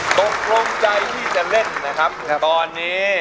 ตกลงใจที่จะเล่นนะครับตอนนี้